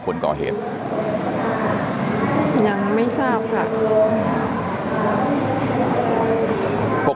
หรือเป็นคนก่อเหตุยังไม่ทราบค่ะ